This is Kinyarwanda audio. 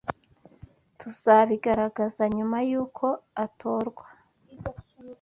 Tuzabigaragaza nyuma yuko atorwa